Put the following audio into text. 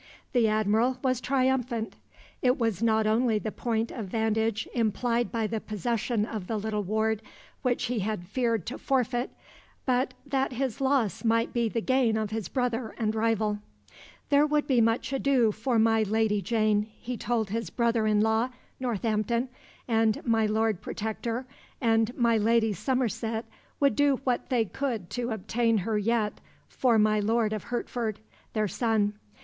The Admiral was triumphant. It was not only the point of vantage implied by the possession of the little ward which he had feared to forfeit, but that his loss might be the gain of his brother and rival. There would be much ado for my Lady Jane, he told his brother in law, Northampton, and my Lord Protector and my Lady Somerset would do what they could to obtain her yet for my Lord of Hertford, their son.